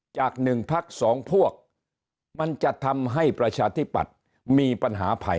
จาก๑พัก๒พวกมันจะทำให้ประชาธิปัตย์มีปัญหาภัย